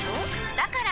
だから！